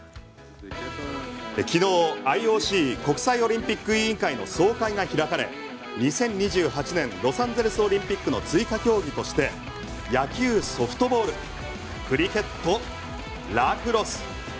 昨日ＩＯＣ・国際オリンピック委員会の総会が開かれ２０２８年ロサンゼルスオリンピックの追加競技として野球・ソフトボールクリケット、ラクロス